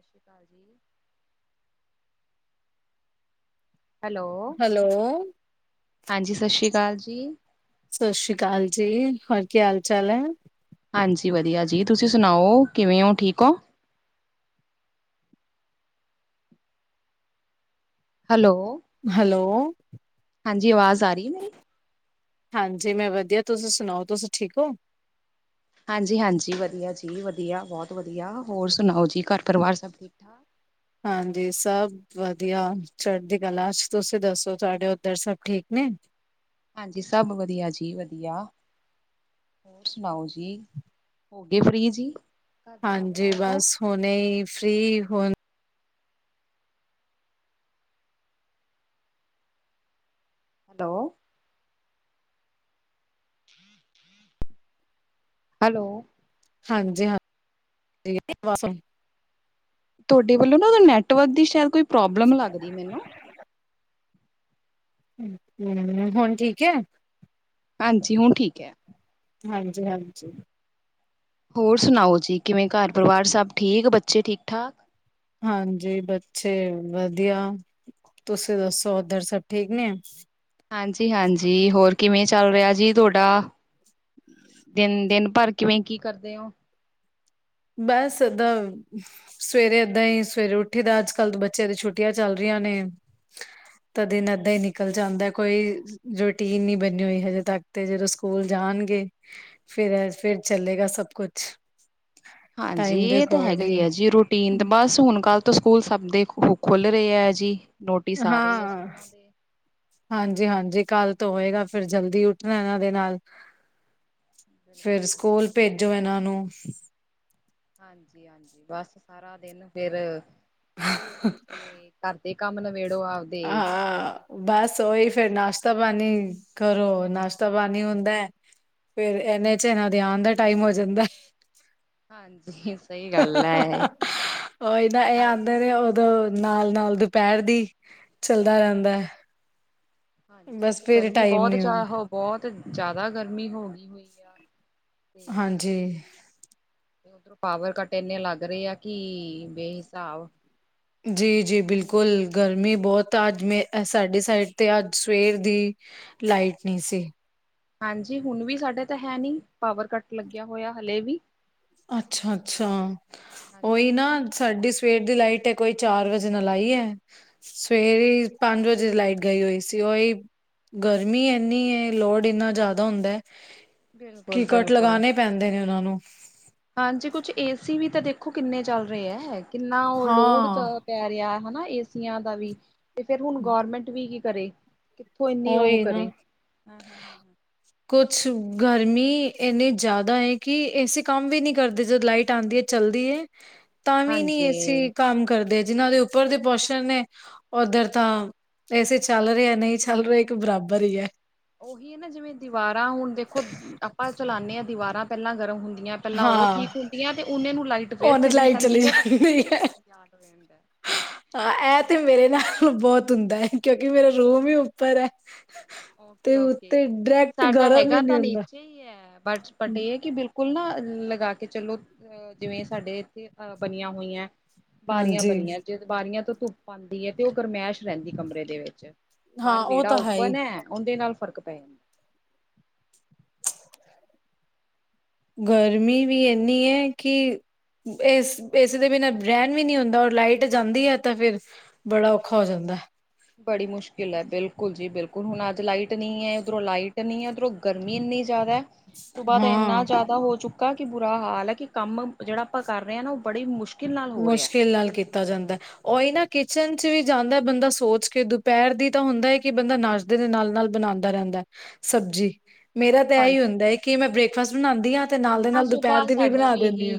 ਸ਼ਸ਼੍ਰੀ ਕਾਲ ਜੀ। ਹੈਲੋ, ਹਾਂਜੀ, ਸ ਸ਼੍ਰੀ ਕਾਲ ਜੀ। ਸ ਸ਼੍ਰੀ ਕਾਲ ਜੀ, ਹੋਰ ਕੀ ਹਾਲ ਚਾਲ ਐ। ਹਾਂਜੀ, ਵਦੀਆ ਜੀ, ਤੁਸੀਂ ਸੁਣਾਓ ਕਿਵੇਂ ਓ ਠੀਕ ਓ? ਹੈਲੋ। ਹੈਲੋ। ਹਾਂਜੀ, ਆਵਾਜ਼ ਆ ਰਈ ਐ ਮੇਰੀ। ਹਾਂਜੀ, ਮੈਂ ਵਦੀਆ, ਤੁਸੀਂ ਸੁਣਾਓ, ਤੁਸੀਂ ਠੀਕ ਓ? ਹਾਂਜੀ, ਹਾਂਜੀ, ਵਦੀਆ ਜੀ ਵਦੀਆ, ਬੌਤ ਵਦੀਆ, ਹੋਰ ਸੁਣਾਓ ਜੀ ਘਰ ਪਰਿਵਾਰ ਸਭ ਠੀਕ ਠਾਕ? ਹਾਂਜੀ ਸਬ ਵਦੀਆ, ਚੜ੍ਹਦੀ ਕਲਾ ਚ। ਤੁਸੀਂ ਦੱਸੋ, ਤੁਹਾਡੇ ਉੱਧਰ ਸਭ ਠੀਕ ਨੇ? ਹਾਂਜੀ, ਸਬ ਵਦੀਆ ਜੀ ਵਦੀਆ। ਹੋਰ ਸੁਣਾਓ ਜੀ, ਹੋ ਗਏ ਫ੍ਰੀ ਜੀ। ਘਰ ਦੇ ਕੰਮ ਹਾਂਜੀ ਕਾਰ ਤੋਂ, ਬਸ ਹੁਣੇ ਹੀ ਫਰੀ ਹੁਣ ਹੈਲੋ। [unintelligible] ਹੈਲੋ। ਹਾਂਜੀ [unintelligible] ਤੋਡੇ ਵੱਲੋਂ ਨਾ ਨੈਟਵਰਕ ਦੀ ਸ਼ਾਇਦ ਕੋਈ ਪ੍ਰੋਬਲਮ ਲੱਗਦੀ ਮੈਨੂੰ [unintelligible] ਹੁਣ ਠੀਕ ਹੈ। ਹਾਂਜੀ, ਹੁਣ ਠੀਕ ਐ। ਹਾਂਜੀ-ਹਾਂਜੀ। ਹੋਰ ਸੁਣਾਓ ਜੀ, ਕਿਵੇਂ ਘਰ ਪਰਿਵਾਰ ਸਭ ਠੀਕ, ਬੱਚੇ ਠੀਕ ਠਾਕ। ਹਾਂਜੀ, ਬੱਚੇ ਵਦੀਆ, ਤੁਸੀਂ ਦੱਸੋ ਓਦਰ ਸਬ ਠੀਕ ਨੇ। ਹਾਂਜੀ-ਹਾਂਜੀ, ਹੋਰ ਕਿਵੇਂ ਚੱਲ ਰਿਆ ਜੀ ਤੁਆਡਾ। ਦਿਨ, ਦਿਨ ਭਰ ਕਿਵੇਂ ਕੀ ਕਰਦੇ ਓ? ਬਸ ਏਦਾਂ ਸਵੇਰੇ ਏਦਾਂ ਈ, ਸਵੇਰੇ ਉੱਠੀ ਦਾ, ਅੱਜ-ਕੱਲ ਬੱਚਿਆਂ ਦੀ ਛੁੱਟੀਆਂ ਚੱਲ ਰੀਆਂ ਨੇ। ਤਾਂ ਦਿਨ ਐਦਾਂ ਈ ਨਿਕਲ ਜਾਂਦਾ ਕੋਈ ਰੂਟੀਨ ਨੀ ਬਣੀ ਹੋਈ ਹਜੇ ਤੱਕ ਤੇ ਜਦੋਂ ਸਕੂਲ ਜਾਣਗੇ ਫਿਰ ਐ ਫਿਰ ਚੱਲੇਗਾ ਸਬ ਕੁਛ। ਹਾਂਜੀ, ਟਾਈਮ ਦੇ ਇਹ ਤਾਂ ਹੈਗਾ ਈ ਅਕੋਰਡਿੰਗ ਐ ਜੀ ਰੂਟੀਨ ਤੇ ਬਸ ਹੁਣ ਕੱਲ ਤੋ, ਸਕੂਲ ਸਬ ਦੇ ਖੁੱਲ ਰਏ ਐ ਜੀ। ਨੋਟਿਸ ਆ ਰਹੇ ਆ ਹਾਂ। ਸਕੂਲਾਂ ਦੇ। ਹਾਂਜੀ-ਹਾਂਜੀ ਕਾਲ ਤੋਂ ਹੋਏਗਾ, ਫਿਰ ਜਲਦੀ ਉੱਠਣਾ ਇਹਨਾਂ ਦੇ ਨਾਲ ਫੇਰ, ਸਕੂਲ ਬਿਲਕੁਲ-ਬਿਲਕੁਲ। ਭੇਜੋ ਏਹਨਾਂ ਨੂੰ ਹਾਂਜੀ-ਹਾਂਜੀ ਬਸ ਸਾਰਾ ਦਿਨ ਫੇਰ ਸਕੂਲ ਭੇਜ ਕੇ ਘਰ ਦੇ ਕੰਮ, ਨਬੇੜੋ ਆਪਦੇ ਹਾਂ ਬਸ ਉਹੀ ਫੇਰ, ਨਾਸ਼ਤਾ ਪਾਣੀ ਕਰੋ, ਨਾਸ਼ਤਾ ਪਾਣੀ ਹੁੰਦਾ ਫੇਰ ਇਹਨੇ ਚ, ਇਹਨਾਂ ਦੇ ਆਣ ਦਾ ਟਾਈਮ ਹੋ, ਜਾਂਦਾ ਹਾਂਜੀ। ਸਹੀ ਹਾ, ਹਾ, ਗੱਲ ਹੈ ਹਾ ਊਹਿਨਾ, ਇਹ ਇਹਨਾਂ ਆਦੇ ਨੇ ਉਦੋਂ ਨਾਲ-ਨਾਲ ਦੁਪਹਿਰ ਦੀ ਚੱਲਦਾ ਰਹਿੰਦਾ ਏ, ਹਾਂਜੀ, ਇੱਕ ਗਰਮੀ ਟਾਈਮ ਬਹੁਤ ਨੀ ਹੁੰਦਾ ਜਿਆਦਾ ਬਹੁਤ ਜ਼ਿਆਦਾ ਗਰਮੀ ਹੋ ਗਈ ਹੋਈ ਆ। ਹਾਂਜੀ। ਉੱਧਰੋਂ ਪਾਵਰ ਕੱਟ, ਇੰਨੇ ਲੱਗ ਰਹੇ ਆ ਕਿ ਬੇਹਿਸਾਬ ਜੀ-ਜੀ ਬਿਲਕੁਲ, ਗਰਮੀ ਬਹੁਤ ਆ ਅੱਜ ਮੈਂ ਸਾਡੇ ਸਾਈਡ ਤੇ, ਅੱਜ ਸਵੇਰ ਦੀ ਲਾਈਟ, ਨਹੀਂ ਸੀ। ਹਾਂਜੀ, ਹੁਣ ਵੀ ਸਾਡੇ ਤੇ ਹੈ ਨਈ, ਪਾਵਰ ਕੱਟ ਲੱਗਿਆ ਹੋਇਆ ਹਲੇ ਵੀ ਅੱਛਾ-ਅੱਛਾ ਹਾਂਜੀ ਉਹੀ ਨਾ ਹਾਂਜੀ ਸਾਡੀ ਸਵੇਰ ਦੀ ਲਾਈਟ, ਕੋਈ ਚਾਰ ਵਜੇ ਨਾਲ ਆਈ ਹੈ। ਸਵੇਰੇ ਪੰਜ ਵਜੇ, ਲਾਈਟ ਗਈ ਹੋਈ ਸੀ ਉਹੀ ਗਰਮੀ ਏਨੀ ਏ, ਲੋੜ ਇੰਨਾ ਜ਼ਿਆਦਾ ਹੁੰਦਾ ਹੈ। ਬਿਲਕੁਲ ਕੀ, ਕਟ ਬਿਲਕੁਲ ਲਗਾਣੇ ਪੈਂਦੇ ਨੇ, ਉਹਨਾਂ ਨੂੰ ਹਾਂਜੀ, ਕੁਛ ਏਸੀ ਵੀ ਤਾਂ ਦੇਖੋ ਕਿੰਨੇ, ਚੱਲ ਰਹੇ ਆ ਕਿੰਨਾ ਉਹ ਲੋਡ ਹਾਂ ਪੈ ਰਿਹਾ ਹਨਾ, ਏਸੀਆਂ ਦਾ ਵੀ ਤੇ ਫਿਰ ਹੁਣ, ਗੌਰਮੈਂਟ ਵੀ ਕੀ ਕਰੇ ਕਿੱਥੋਂ, ਇੰਨੀ ਉਹ ਉਹੀ ਕਰੇ ਕੁਛ ਗਰਮੀ ਇੰਨੀ, ਜ਼ਿਆਦਾ ਹੈ ਕਿ ਏਸੀ ਕੰਮ ਵੀ ਨਈ, ਕਰਦੇ ਜਦੋਂ ਲਾਈਟ, ਆਉਂਦੀ ਹੈ ਚੱਲਦੀ ਹੈ। [unintelligible] ਤਾਂ ਵੀ ਨਈ ਏ ਹਾਂਜੀ ਸੀ, ਕੰਮ ਕਰਦੇ ਜਿਨਾਂ ਦੇ ਉੱਪਰ ਦੇ ਪੋਸ਼ਣ ਨੇ, ਉੱਧਰ ਤਾਂ ਏ ਸੀ ਚੱਲ, ਰਿਹੇ ਨਹੀਂ ਚੱਲ, ਰਿਹਾ ਇੱਕ ਬਰਾਬਰ ਹੀ ਹੈ ਉਹੀ ਹੈ ਨਾ ਜਿਵੇਂ, ਦੀਵਾਰਾਂ ਹੁਣ ਦੇਖੋ ਆਪਾਂ ਚਲਾਉਂਦੇ ਹਾਂ, ਦੀਵਾਰਾਂ ਪਹਿਲਾਂ ਗਰਮ ਹੁੰਦੀਆਂ ਪਹਿਲਾਂ ਉਹ ਠੀਕ ਹਾਂ ਹੁੰਦੀ ਹੈ, ਤੇ ਉਹਨੇ ਨੂੰ ਲਾਈਟ ਫਿਰ ਉਹਨ ਚਲੀ ਲਾਈਟ ਜਾਂਦੀ ਏ, ਤੇ ਫਿਰ ਫਰਹੀਆ ਹੈ ਰਹਿ ਹਾਂ, ਇਹ ਤੇ ਮੇਰੇ ਨਾਲ ਬਹੁਤ ਹੁੰਦਾ ਹੈ। ਕਿਉਂਕਿ, ਮੇਰਾ ਰੂਮ ਹੀ ਉੱਪਰ ਹੈ ਓਕੇ ਤੇ ਉੱਤੇ -ਓਕੇ ਨਹੀਂ ਡਾਇਰੈਕਟ ਸਾਡਾ ਗਰਮ ਹੈਗਾ ਹੀ ਨਹੀਂ ਤਾਂ, ਹੁੰਦਾ ਨੀਚੇ ਹੀ ਹੈ ਬਟ ਬਟ ਇਹ ਹੈ ਕਿ ਬਿਲਕੁਲ ਨਾ, ਲਗਾ ਕੇ ਚਲੋ ਅ ਜਿਵੇਂ ਸਾਡੇ ਇੱਥੇ, ਅ ਬਣੀਆਂ ਹੋਈਆਂ ਬਾਰੀਆਂ ਹਾਂਜੀ ਬਣੀਆਂ ਜੇ, ਬਾਰੀਆਂ ਤੋਂ ਧੁੱਪ ਆਉਂਦੀ ਹੈ ਤੇ, ਉਹ ਗਰਮੈਸ਼ ਰਹਿੰਦੀ ਕਮਰੇ ਦੇ ਵਿੱਚ ਹਾਂ ਬਾਹਰ ਉਹ ਵਿਹੜਾ ਤਾਂ ਹੀ ਓਪਨ ਹੈ, ਉਹਦੇ ਨਾਲ ਫ਼ਰਕ ਪੈ ਜਾਂਦਾ। ਗਰਮੀ, ਵੀ ਇੰਨੀ ਹੈ ਕਿ ਇਸ- ਇਸ ਦੇ ਬਿਨਾਂ ਰਹਿਣ ਵੀ ਨਹੀਂੀ ਹੁੰਦਾ, ਔਰ ਲਾਈਟ ਜਾਂਦੀ ਹੈ ਤਾਂ ਫੇਰ ਬੜਾ ਔਖਾ ਹੋ ਜਾਂਦਾ ਬੜੀ ਮੁਸ਼ਕਿਲ ਹੈ, ਬਿਲਕੁਲ, ਜੀ ਬਿਲਕੁਲ ਹੁਣ ਅੱਜ ਲਾਈਟ ਨਹੀਂ ਹੈ, ਉੱਧਰੋਂ ਲਾਈਟ ਨਹੀਂ ਹੈ ਉੱਧਰੋਂ ਗਰਮੀ ਇੰਨੀ ਜ਼ਿਆਦਾ ਹੈ ਸੁਬਾਹ ਦਾ ਇੰਨਾ ਹਾਂ। ਜ਼ਿਆਦਾ ਹੋ ਚੁੱਕਾ ਕਿ ਬੁਰਾ ਹਾਲ ਹੈ ਕਿ, ਕੰਮ ਜਿਹੜਾ ਆਪਾਂ ਕਰ ਰਹੇ ਹਾਂ ਨਾ, ਉਹ ਬੜੀ ਮੁਸ਼ਕਿਲ ਨਾਲ ਹੋ ਰਿਹਾ ਮੁਸ਼ਕਿਲ ਨਾਲ ਕੀਤਾ ਜਾਂਦਾ ਓਈ ਨਾ, ਕਿਚਨ ਚ ਵੀ ਜਾਂਦਾ ਬੰਦਾ ਸੋਚ ਕੇ, ਦੁਪਹਿਰ ਦੀ ਤਾਂ ਹੁੰਦਾ ਹੈ ਕਿ, ਬੰਦਾ ਨੱਸ ਦੇ ਨਾਲ-ਨਾਲ ਬਣਾਉਂਦਾ ਰਹਿੰਦਾ ਹੈ ਸਬਜ਼ੀ ਮੇਰਾ ਤਾਂ, ਇਹੀ ਹਾਂਜੀ ਹੁੰਦਾ ਹੈ ਕਿ ਮੈਂ ਬ੍ਰੇਕਫਾਸਟ, ਬਣਾਉਂਦੀ ਹਾਂ। ਤੇ ਨਾਲ ਦੇ ਹ ਨਾਲ ਦੁਪਹਿਰ ਸੁਭਾਹ ਦੀ ਸਾਡਾ ਬਣਾ ਵੀ, ਦਿੰਦੀ ਇਹੀ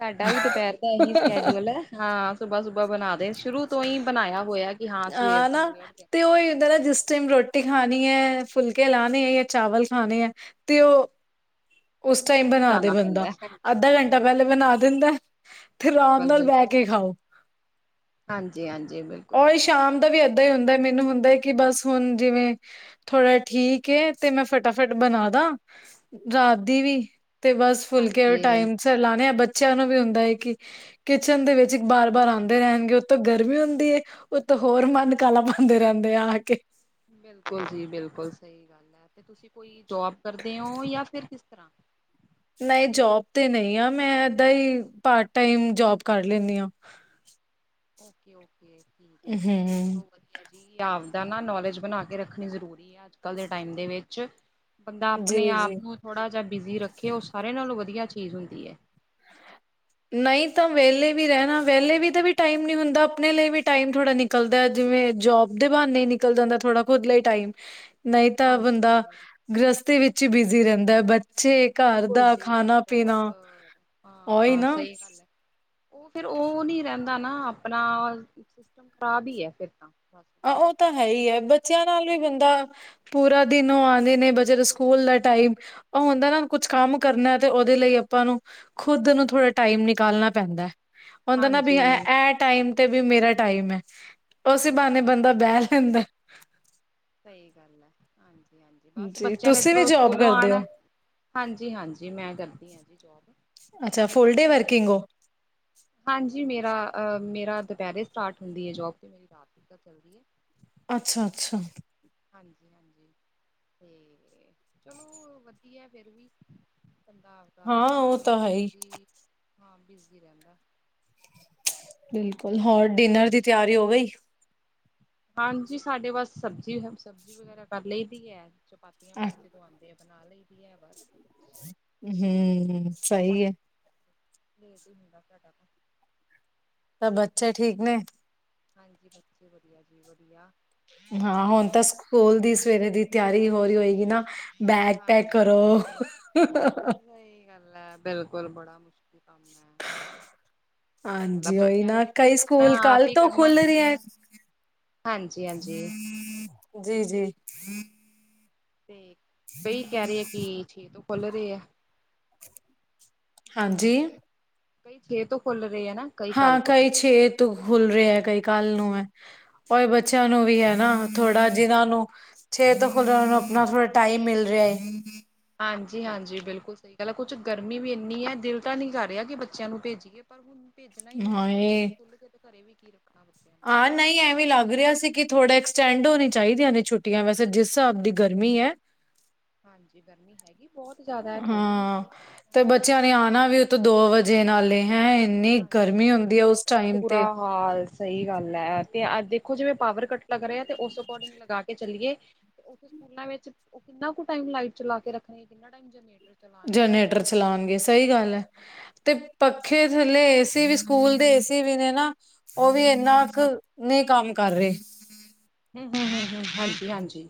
ਸਾਡਾ ਵੀ ਦੁਪਹਿਰ ਇਹੀ ਸਕੈਡਊਲ ਹੈ ਹਾਂ ਸੁਬਾਹ- ਸੁਬਾਹ ਬਣਾ ਦੇ ਸ਼ੁਰੂ ਤੋਂ ਹੀ ਬਣਾਇਆ ਹੋਇਆ ਕਿ ਸਵੇਰ ਹਾਂ ਦਾ ਨਾ, ਨਿਬੇੜ ਦੇਣਾ ਤੇ ਉਹੀ ਹੁੰਦਾ ਨਾ ਜਿਸ ਟਾਈਮ ਰੋਟੀ ਰੋਟੀ ਖਾਣੀ ਹੈ, ਫੁਲਕੇ ਲਾਣੇ ਹੈ, ਜਾਂ ਚਾਵਲ, ਖਾਣੇ ਹੈ ਤੇ ਉਹ ਉਸ ਟਾਈਮ ਉਦੋਂ ਬਣਾ ਦੇ ਜਾਣਾ ਬੰਦਾ ਪੈਂਦਾ ਹੈ ਅੱਧਾ ਘੰਟਾ ਪੈਲੇ ਬਣਾ ਦਿੰਦਾ ਤੇ ਰਾਮ ਨਾਲ ਬੈ ਕੇ ਖਾਓ। ਹਾਂਜੀ-ਹਾਂਜੀ, ਬਿਲਕੁਲ ਜੀ ਬਿਲਕੁਲ। ਏੱਦਾ ਈ ਹੁੰਦਾ ਮੈਨੂੰ ਹੁੰਦਾ ਐ ਕਿ ਬਸ ਹੁਣ ਜਿਵੇਂ ਥੋੜ੍ਹਾ ਠੀਕ ਏ ਤੇ ਮੈਂ ਫਟਾਫਟ ਬਣਾ ਦਾ ਰਾਤ ਦੀ ਵੀ ਤੇ ਬਸ ਫੁਲਕੇ ਓਰ ਹਾਂਜੀ ਟਾਈਮ ਸਿਰ ਲਾਣੇ ਆ ਬੱਚਿਆਂ ਨੂੰ ਵੀ ਹੁੰਦਾ ਐ ਕਿ ਕਿਚਨ ਦੇ ਵਿੱਚ ਬਾਰ-ਬਾਰ ਆਂਦੇ ਰਹਿਣਗੇ ਉਤੋ ਗਰਮੀ ਹੁੰਦੀ ਐ। ਉੱਤੋ ਹੋਰ ਮਨ ਕਾਲਾ ਪਾਂਦੇ ਰੈਂਦੇ ਆਕੇ। ਬਿਲਕੁਲ ਜੀ ਬਿਲਕੁਲ ਸਈ ਗੱਲ ਐ ਤੇ ਤੁਸੀਂ ਕੋਈ ਜੋਬ ਕਰਦੇ ਓ? ਯਾਂ ਫਿਰ ਕਿਸ ਤਰ੍ਹਾਂ ਨਈ ਜੋਬ ਤੇ ਨਈ ਆ ਮੈਂ ਏਦਾਂ ਈ ਪਾਰਟ ਟਾਈਮ ਜੋਬ ਕਰ ਲੈਨੀ ਆ। ਓਕੇ-ਓਕੇ। ਹੂੰ। ਆਪਦਾ ਨਾ ਨੌਲੇਜ ਬਣਾ ਕੇ ਰੱਖਣੀ ਜ਼ਰੂਰੀ ਐ ਅੱਜ-ਕੱਲ ਦੇ ਟਾਈਮ ਦੇ ਵਿੱਚ ਬੰਦਾ ਜੀ ਆਪਣੇ ਆਪ ਜੀ ਨੂੰ ਥੋੜ੍ਹਾ ਜਿਆ ਬਿਜ਼ੀ ਰੱਖੇ ਓ ਸਾਰਿਆਂ ਨਾਲੋਂ ਵਦੀਆ ਚੀਜ਼ ਹੁੰਦੀ ਐ। ਨਈ ਤਾਂ ਵੇਲੇ ਵੀ ਰੈਣਾ ਵੇਲੇ ਵੀ ਤਾਂ ਵੀ ਟਾਈਮ ਨੀ ਹੁੰਦਾ ਆਪਣੇ ਲਈ ਵੀ ਟਾਈਮ ਥੋੜ੍ਹਾ ਨਿ ਕਲਦਾ ਜਿਵੇਂ ਜੋਬ ਦੇ ਬਹਾਨੇ ਨਿਕਲ ਜਾਂਦਾ ਥੋੜਾ ਖੁਦ ਲਈ ਟਾਈਮ। ਨਈ ਤਾਂ ਹਾਂਜੀ ਬੰਦਾ ਗ੍ਰਿਸਤੀ ਵਿੱਚ ਈ ਬਿਜ਼ੀ ਰੈਂਦਾ ਬਟ ਬਿਲਕੁਲ ਜੀ ਬੌਤ ਉਹੀ ਹਾਂ ਨਾ ਸਈ ਓ ਫੇਰ ਓ ਨੀ ਰੈਂਦਾ ਨਾ ਆਪਣਾ ਸਿਸਟਮ ਖਰਾਬ ਈ ਐ ਫਿਰ ਤਾਂ ਬਸ ਆ ਕਹਿ ਓ ਲਓ ਤਾਂ ਹੈ ਹੀ ਐ ਬੱਚਿਆਂ ਨਾਲ ਵੀ ਬੰਦਾ ਪੂਰਾ ਦਿਨ ਓ ਆਂਦੇ ਨੇ ਬਜਰ ਸਕੂਲ ਦਾ ਟਾਈਮ ਓ ਹੁੰਦਾ ਨਾ ਕੁਛ ਕੰਮ ਕਰਨਾ ਤੇ ਉਦੇ ਲਈ ਅਪਾਂ ਨੂੰ ਖੁੱਦ ਨੂੰ ਥੋੜ੍ਹਾ ਟਾਈਮ ਨਿਕਾਲਣਾ ਪੈਂਦਾ। ਔਂਦਾ ਨਾ ਵੀ ਹਾਂਜੀ ਐ ਟਾਈਮ ਤੇ ਵੀ ਮੇਰਾ ਟਾਈਮ ਐ। ਬ੍ਹਾਣੇ ਬਿਲਕੁਲ ਬੰਦਾ ਬੈ ਜਾਂਦਾ। ਸਈ ਗੱਲ ਐ ਹਾਂਜੀ-ਹਾਂਜੀ, ਬਸ ਜੀ ਬੱਚਿਆਂ ਨੇ ਤੁਸੀਂ ਵੀ ਇਧਰੋਂ ਜੋਬ ਸਕੂਲੋਂ ਕਰਦੇ ਹੋ ਆਣਾ। ਹਾਂਜੀ-ਹਾਂਜੀ, ਮੈਂ ਕਰਦੀ ਆ ਜੀ ਜੋਬ। [unintelligible] ਫੁਲ ਡੇ ਵਰਕਿੰਗ ਓ। ਹਾਂਜੀ ਮੇਰਾ ਆ, ਮੇਰਾ ਦੋਪੈਰੇ ਸਟਾਰਟ ਹੁੰਦੀ ਐ ਜੋਬ ਤੇ ਮੇਰੀ ਰਾਤ ਤਿਕਨ ਚੱਲਦੀ ਐ। ਅੱਛਾ-ਅੱਛਾ। ਹਾਂਜੀ-ਹਾਂਜੀ। ਤੇ ਫੇਰ ਚਲੋ ਵਦੀਆ ਫਿਰ ਵੀ ਬੰਦਾ ਹਾਂ ਤਾਂ ਉਹ ਤਾਂ ਹੈ ਹੀ ਬਿਜ਼ੀ, ਹਾਂ ਬਿਜ਼ੀ ਰੈਂਦਾ। ਬਿਲਕੁਲ ਹੋਰ ਡਿਨਰ ਦੀ ਤਿਆਰੀ ਹੋ ਗਈ। ਹਾਂਜੀ, ਸਾਡੇ ਬਸ ਸਬਜ਼ੀ ਹੈ ਸਬਜ਼ੀ ਵਗੈਰਾ ਕਰ ਲਈ ਦੀ ਐ ਚਪਾਤੀਆਂ ਅ- ਬਾਦ ਚ ਜਦੋਂ ਆਂਦੇ ਬਨਾ ਲਈ ਦੀ ਐ ਬਸ। ਹੂੰ, ਹੂੰ ਸਈ ਐ। ਲੇਟ ਈ ਹੁੰਦਾ ਤੁਆਡਾ ਕੋਲ। ਸਬ ਬੱਚੇ ਠੀਕ ਨੇ। ਹਾਂਜੀ, ਬੱਚੇ ਵਦੀਆ ਜੀ ਵਦੀਆ। ਹਾਂ ਹੁਣ ਤਾਂ ਸਕੂਲ ਦੀ ਸਵੇਰੇ ਦੀ ਤਿਆਰੀ ਹੋ ਰੀ ਹੋਏਗੀ ਨਾ। ਬੈਗ ਪੈਕ ਕਰੋ ਹਾਂਜੀ ਸਹੀ ਗੱਲ ਐ ਬਿਲਕੁਲ ਬੜਾ ਮੁਸ਼ਕਿਲ ਕੰਮ ਐ। ਸਈ ਗੱਲ ਐ, ਹਾਂਜੀ ਉਹੀ ਬੱਚਿਆਂ ਨੇ ਨਾ ਤਾਂ ਕੀ ਕਈ ਕਰਨਾ ਸਕੂਲ ਕੱਲ ਆਪ ਈ ਤੋਂ ਕਰਨਾ। ਖੁੱਲ ਰਹੇ ਹੈ ਹਾਂਜੀ-ਹਾਂਜੀ। ਜੀ-ਜੀ। ਤੇ ਕਈ ਕੈਰੇ ਐ ਕਿ ਛੇ ਤੋਂ ਖੁੱਲ ਰਏ ਐ। ਹਾਂਜੀ। ਕਈ ਛੇ ਤੋਂ ਖੁੱਲ ਰਏ ਐ ਨਾ। ਕਈ ਕੱਲ ਹਾਂ ਤੋਂ ਕਈ ਖੁੱਲ ਰਹੇ। ਛੇ ਤੋਂ ਖੁੱਲ ਰਏ ਐ, ਕਈ ਕੱਲ ਨੂੰ ਐ। ਏ ਬੱਚਿਆਂ ਨੂੰ ਵੀ ਹੈ ਨਾ, ਥੋੜ੍ਹਾ ਜਿਨਾਂ ਨੂੰ ਛੇ ਤੋਂ ਖੁੱਲ੍ਹਿਆ ਉਹ ਨੂੰ ਆਪਣਾ ਥੋੜਾ ਟਾਈਮ ਮਿਲ ਰਿਹਾ ਹੈ ਹਾਂਜੀ- ਹਾਂਜੀ ਬਿਲਕੁਲ ਸਹੀ ਗੱਲ ਹੈ, ਕੁਛ ਗਰਮੀ ਵੀ ਇੰਨੀ ਹੈ, ਦਿਲ ਤਾਂ ਨਹੀਂ ਕਰ ਰਿਹਾ ਕਿ ਬੱਚਿਆਂ ਨੂੰ ਭੇਜੀ- ਪਰ ਹੁਣ ਭੇਜਣਾ ਹੀ ਪੈਣਾ ਜੋ ਹਾਏ ਸਕੂਲ ਖੁੱਲ ਕੇ ਤੇ ਘਰੇ ਵੀ ਕੀ ਰੱਖਣਾ ਬੱਚਿਆ ਨੂੰ ਹਾਂ ਨਹੀਂ ਐਵੇਂ ਲੱਗ ਰਿਹਾ ਸੀ ਕਿ ਥੋੜ੍ਹਾ ਐਕਸਟੈਂਡ ਹੋਣੀ ਚਾਹੀਦੀਆਂ ਨੇ ਛੁੱਟੀਆਂ ਵੈਸੇ ਜਿਸ ਹਿਸਾਬ ਦੀ ਗਰਮੀ ਹੈ ਹਾਂਜੀ ਗਰਮੀ ਹੈਗੀ ਬਹੁਤ ਜ਼ਿਆਦਾ ਹੈ ਥੋੜ੍ਹੀ ਨੀ ਹਾਂ, ਤੇ ਹੈ। ਬੱਚਿਆਂ ਨੇ ਆਉਣਾ ਵੀ ਉਤੋਂ ਦੋ ਵਜੇ ਨਾਲੇ ਹੈਂ ਇੰਨੀ ਗਰਮੀ ਹੁੰਦੀ ਹੈ ਉਸ ਟਾਈਮ ਤੇ ਹਾਂ ਸਹੀ ਗੱਲ ਹੈ, ਤੇ ਦੇਖੋ ਜਿਵੇਂ ਪਾਵਰ ਕੱਟ ਲੱਗ ਰਿਹਾ ਤੇ ਉਸ ਅਕੋਰਡਿੰਗ ਲਗਾ ਕੇ ਚੱਲੀਏ, ਤੇ ਉਹ ਸਕੂਲਾਂ ਵਿੱਚ ਉਹ ਕਿੰਨਾ ਕੁ ਟਾਈਮ ਲਾਈਟ ਚਲਾ ਕੇ ਰੱਖਣੀ, ਕਿੰਨਾ ਟਾਈਮ ਜਨਰੇ ਜਨਰੇਟਰ ਚਲਾਉਣਗੇ, ਸਹੀ ਗੱਲ ਹੈ ਤੇ ਪੱਖੇ ਥੱਲੇ ਏਸੀ ਵੀ ਸਕੂਲ ਦੇ ਏਸੀ ਵੀ ਨੇ ਨਾ ਉਹ ਵੀ ਇੰਨਾ ਕੁ, ਨਹੀਂ ਕੰਮ ਕਰ ਰਹੇ ਹੂੰ, ਹੁੂੰ, ਹੁੂੰ ਹਾਂਜੀ-ਹਾਂਜੀ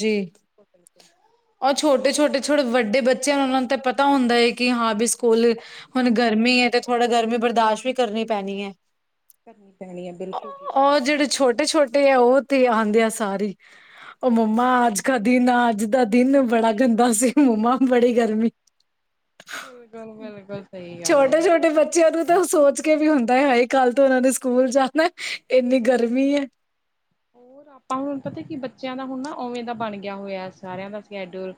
ਜੀ ਬਿਲਕੁਲ ਉਹ ਛੋਟੇ-ਛੋਟੇ-ਛੋਟੇ ਵੱਡੇ ਬੱਚਿਆਂ ਨੂੰ ਉਹਨਾਂ ਨੂੰ ਤੇ ਪਤਾ ਹੁੰਦਾ ਹੈ ਕਿ ਹਾਂ ਵੀ ਸਕੂਲ ਹੁਣ ਗਰਮੀ ਹੈ ਤੇ ਥੋੜ੍ਹਾ ਗਰਮੀ ਬਰਦਾਸ਼ਤ ਵੀ ਕਰਨੀ ਪੈਣੀ ਹੈ ਕਰਨੀ ਪੈਣੀ ਹੈ ਬਿਲਕੁਲ ਜੀ ਉਹ ਬਿਲਕੁਲ ਜਿਹੜੇ ਛੋਟੇ- ਛੋਟੇ ਆ, ਉਹ ਤੇ ਆਉਂਦੇ ਆ ਸਾਰ ਹੀ ਉਹ ਮੰਮਾ, ਅੱਜ ਕਾ ਦਿਨ ਅੱਜ ਦਾ ਦਿਨ ਬੜਾ ਗੰਦਾ ਸੀ ਮੰਮਾ ਬੜੀ ਗਰਮੀ ਬਿਲਕੁਲ- ਬਿਲਕੁਲ, ਸਹੀ ਗੱਲ ਆ ਜੀ ਛੋਟੇ-ਛੋਟੇ ਬਿਲਕੁਲ ਬੱਚਿਆਂ ਤਾਂ ਸੋਚ ਇਹ ਵੀ ਹੁੰਦਾ ਏ, ਹਾਏ ਕੱਲ੍ਹ ਤੋਂ ਉਹਨਾਂ ਨੇ ਸਕੂਲ ਜਾਣਾ, ਇੰਨੀ ਗਰਮੀ ਹੈ ਹੋਰ ਆਪਾਂ ਹੁਣ ਪਤਾ ਕਿ ਬੱਚਿਆਂ ਦਾ ਹੁਣ ਨਾ ਉਓਵੇਂ ਦਾ ਬਣ ਗਿਆ ਹੋਇਆ ਸਾਰਿਆਂ ਦਾ ਸ਼ਡਿਊਲ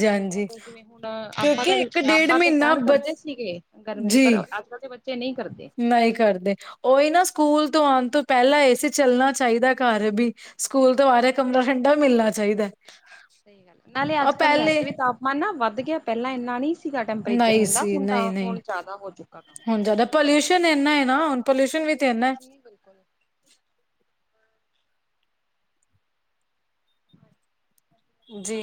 ਹਾਂ ਮਤਲਬ ਜਿਵੇਂ ਹੁਣ ਆਪਾ ਕਿਉਂਕਿ ਦਾ ਇੱਕ ਡੇਢ ਆਪਾ ਤਾਂ ਮਹੀਨਾ ਸਹਿਣ ਬ ਕਰਦੇ ਸੀਗੇ ਗਰਮੀ ਪਰ, ਜੀ ਅੱਜ- ਕੱਲ੍ਹ ਦੇ ਬੱਚੇ ਨਹੀਂ ਕਰਦੇ ਨਹੀਂ ਕਰਦੇ, ਉਹੀ ਨਾ ਸਕੂਲ ਤੋਂ ਆਉਣ ਤੋਂ ਪਹਿਲਾਂ ਏਸੀ ਚੱਲਣਾ ਚਾਹੀਦਾ ਘਰ ਵੀ ਸਕੂਲ ਤੋਂ ਆ ਕੇ ਕਮਰਾ ਹਾਂਜੀ ਠੰਡਾ ਮਿਲਣਾ ਚਾਹੀਦਾ ਆ। ਉਹ ਪਹਿਲੇ ਮਾਨਾ ਵੱਧ ਗਿਆ ਪਹਿਲਾਂ ਇੰਨਾ ਨਹੀਂ ਸੀਗਾ ਟੈਂਪਰੇਚਰ ਨਹੀਂ ਹੁੰਦਾ ਸੀ ਹੁਣ ਨਹੀਂ ਤਾਂ ਨਹੀਂ ਹੁਣ ਜ਼ਿਆਦਾ ਹੋ ਚੁੱਕਾ ਕੰਮ, ਹੁਣ ਜ਼ਿਆਦਾ ਪੋਲਿਊਸ਼ਨ ਇੰਨਾ ਨਾ, ਪੋਲਿਊਸ਼ਨ ਵੀ ਤੇ ਇੰਨਾ ਬਿਲਕੁਲ ਨੇ। ਜੀ ਬਿਲਕੁਲ ਜੀ,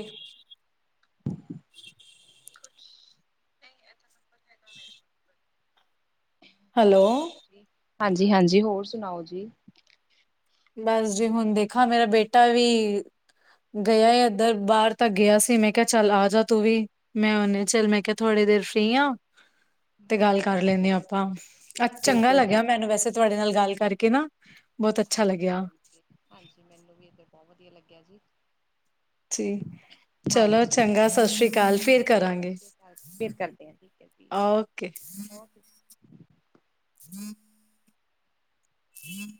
ਕੁਛ ਨਹੀ, ਇਹ ਤਾਂ ਨੰਬਰ ਹੈਗਾ ਮੇਰੇ ਕੋਲ ਹੈਲੋ ਹੋਰ ਸੁਣਾਓ ਜੀ, ਹਾਂਜੀ-ਹਾਂਜੀ ਹੋਰ ਸੁਣਾਓ ਜੀ! ਬਸ ਜੀ ਹੁਣ ਦੇਖਾਂ, ਮੇਰਾ ਬੇਟਾ ਵੀ ਗਿਆ ਇੱਧਰ, ਬਾਹਰ ਤੇ ਗਿਆ ਸੀ, ਮੈਂ ਕਿਹਾ ਚੱਲ ਆ ਜਾ ਤੂੰ ਵੀ ਮੈਂ ਉਹਨੇ ਚੱਲ, ਮੈਂ ਕਿਹਾ ਥੋੜੀ ਦੇਰ ਫ੍ਰਰੀ ਹਾਂ। ਤੇ ਗੱਲ ਹਾਂਜੀ ਕਰ ਹਾਂਜੀ ਲੈਂਦੇ ਹਾਂ ਆਪਾਂ, ਚੰਗਾ ਬਿਲਕੁਲ ਲੱਗਿਆ ਜੀ ਮੈਨੂੰ ਵੈਸੇ, ਤੁਹਾਡੇ ਨਾਲ ਗੱਲ ਕਰਕੇ ਨਾ, ਬਹੁਤ, ਅੱਛਾ ਹਾਂਜੀ- ਲੱਗਿਆ ਹਾਂਜੀ -ਹਾਂਜੀ, ਮੈਨੂੰ ਵੀ ਇੱਥੇ ਬਹੁਤ ਵਧੀਆ ਲੱਗਿਆ ਜੀ! ਜੀ ਚਲੋ ਹਾਂਜੀ ਚੰਗਾ, ਸਤਿ ਚਲੋ ਸ੍ਰੀ ਜੀ ਅਕਾਲ ਫਿਰ ਸਤਿ ਕਰਾਂਗੇ ਸ਼੍ਰੀ ਅਕਾਲ ਜੀ ਫਿਰ ਕਰਦੇ ਹਾਂ ਠੀਕ ਹੈ ਜੀ ਓਕੇ ਓਕੇ ਹਮ ਹਮ